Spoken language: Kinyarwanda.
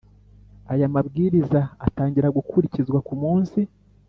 Aya Mabwiriza atangira gukurikizwa ku munsi